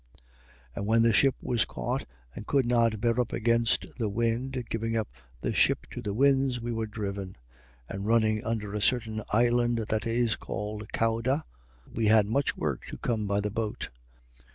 27:15. And when the ship was caught and could not bear up against the wind, giving up the ship to the winds, we were driven. 27:16. And running under a certain island that is called Cauda, we had much work to come by the boat.